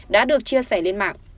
được chia sẻ lên mạng